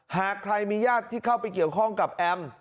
หากใครมีญาติที่เข้าไปเกี่ยวข้องกับแอม